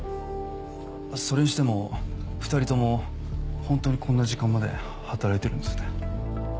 それにしても２人ともホントにこんな時間まで働いてるんですね。